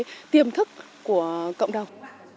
cái tiềm thức của cộng đồng